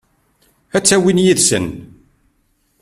Ad t-awin yid-sen?